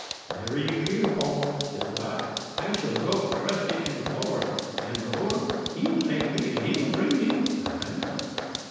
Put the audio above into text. "'Never you fear, Paul,' says I; 'I shall go trusting in the Lord; and the Lord, He'll take me, and He'll bring me,—that I know.